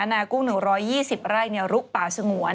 นากุ้ง๑๒๐ไร่ลุกป่าสงวน